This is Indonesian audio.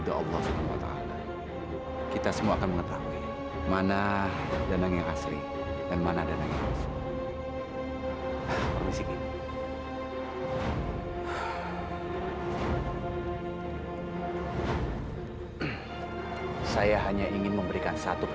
tapi kamu harus bertobat